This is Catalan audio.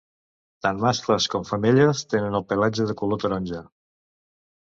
Tan mascles com femelles tenen el pelatge de color taronja.